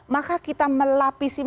maka kita melapisi mereka